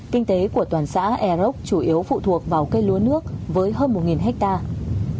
kinh tế của toàn xã erok chủ yếu phụ thuộc vào cây lúa nước với hơn một hectare